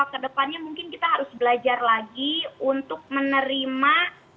kedepannya mungkin kita harus belajar lagi untuk menerima